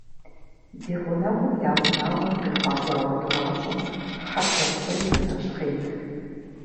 Ди гъунэгъум я унагъуэм къихъуа гуауэ тӏуащӏэм хьэблэ псор иринэщхъейт.